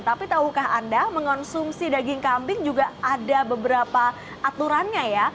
tapi tahukah anda mengonsumsi daging kambing juga ada beberapa aturannya ya